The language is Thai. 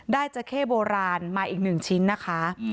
จะเข้โบราณมาอีกหนึ่งชิ้นนะคะ